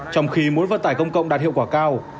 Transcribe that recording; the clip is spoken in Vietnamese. trong khi mỗi vận tải công cộng đạt hiệu quả cao